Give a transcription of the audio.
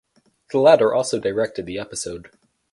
The latter also directed the episode.